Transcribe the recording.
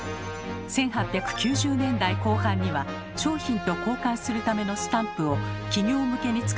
１８９０年代後半には商品と交換するためのスタンプを企業向けに作る専門の会社が誕生。